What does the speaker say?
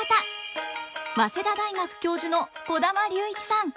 早稲田大学教授の児玉竜一さん。